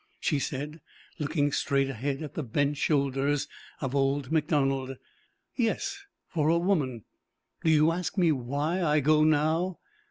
she said, looking straight ahead at the bent shoulders of old MacDonald. "Yes, for a woman. Do you ask me why I go now?